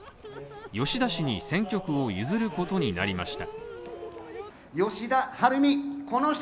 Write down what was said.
吉田氏に選曲を譲ることになりました。